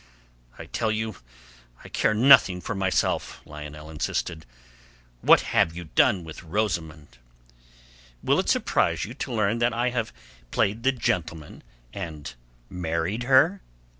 "I tell you I care nothing for myself," Lionel insisted. "What have you done with Rosamund?" "Will it surprise you to learn that I have played the gentleman and married her?"